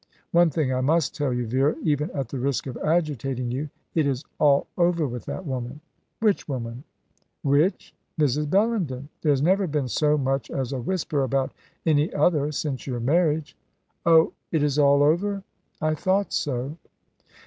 "One thing I must tell you, Vera, even at the risk of agitating you. It is all over with that woman." "Which woman?" "Which? Mrs. Bellenden. There has never been so much as a whisper about any other since your marriage." "Oh, it is all over? I thought so."